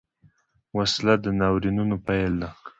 وسله د ناورینونو پیل ده